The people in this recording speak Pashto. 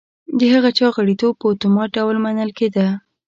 د هغه چا غړیتوب په اتومات ډول منل کېده.